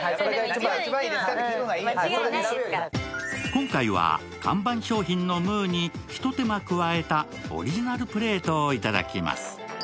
今回は看板商品のムーに一手間加えたオリジナルプレートをいただきます。